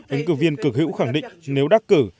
ứng cử viên cực hữu khẳng định nếu đắc cử